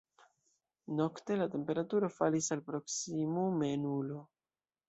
Nokte la temperaturo falis al proksimume nulo.